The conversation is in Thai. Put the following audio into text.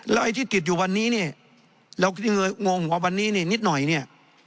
แล้วไอ้ที่ติดอยู่วันนี้นี่แล้วโงงหัววันนี้นิดหน่อยนี่